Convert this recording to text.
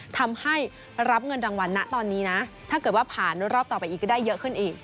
ทำให้รับเงินรางวัลนะตอนนี้นะถ้าเกิดว่าผ่านรอบต่อไปอีกก็ได้เยอะขึ้นอีก